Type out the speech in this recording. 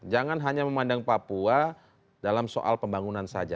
jangan hanya memandang papua dalam soal pembangunan saja